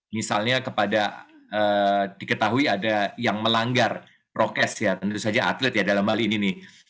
misalnya kepada diketahui ada yang melanggar prokes ya tentu saja atlet ya dalam hal ini nih